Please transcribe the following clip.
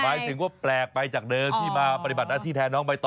หมายถึงว่าแปลกไปจากเดิมที่มาปฏิบัติหน้าที่แทนน้องใบตอ